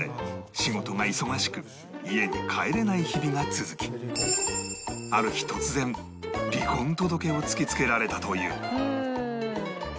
仕事が忙しく家に帰れない日々が続きある日突然離婚届を突きつけられたという